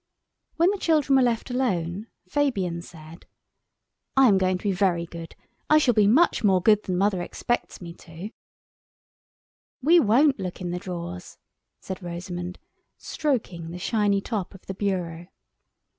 When the children were left alone, Fabian said— "I am going to be very good, I shall be much more good than Mother expects me to." "We won't look in the drawers," said Rosamund, stroking the shiny top of the bureau.